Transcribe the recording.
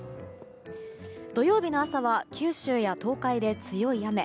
土曜日の朝は九州や東海で強い雨。